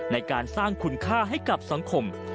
ในการสร้างคุณค่าให้กับสังคม